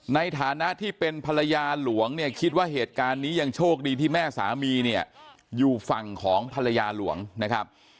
ในฐานะที่เป็นภรรยาหลวงเนี่ยคิดว่าเหตุการณ์นี้ยังโชคดีที่แม่สามีเนี่ยอยู่ฝั่งของภรรยาหลวงนะครับ